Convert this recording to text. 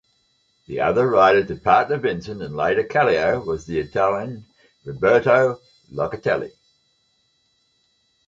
The other rider to partner Vincent and later Kallio was the Italian Roberto Locatelli.